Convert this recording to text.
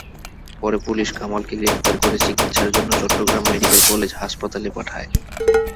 পরে পুলিশ কামালকে গ্রেপ্তার করে চিকিৎসার জন্য চট্টগ্রাম মেডিকেল কলেজ হাসপাতালে পাঠায়।